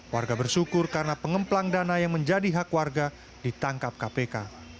warga bersyukur karena pengemplang dana yang menjadi hak warga ditangkap kpk